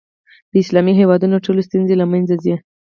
د اسلامي هېوادونو ټولې ستونزې له منځه ځي.